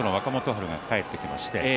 春が帰ってきました。